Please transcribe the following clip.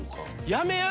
やめや。